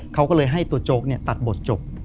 เค้าก็เลยให้ตัวโจ๊กเนี่ยตัดบทจบ